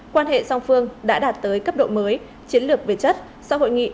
quan hệ song phương đã đạt tới cấp độ mới chiến lược về chất sau hội nghị thượng đỉnh nga triều